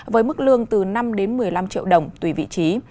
với mức lương từ năm đến một mươi năm triệu đồng tùy vị trí